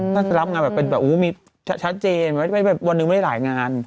ท่านต้องรับงานแบบไม่ชัดเจนวันนึงไม่ได้รายงาน